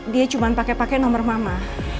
dia cuma pake pake nomor mama